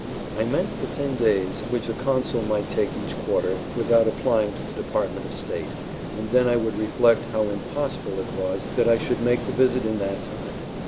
I meant the ten days which a consul might take each quarter without applying to the Department of State; and then I would reflect how impossible it was that I should make the visit in that time.